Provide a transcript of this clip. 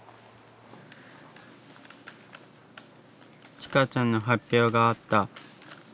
自分はちかちゃんの発表があった。